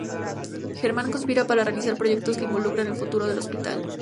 Germán conspira para realizar proyectos que involucran el futuro del hospital.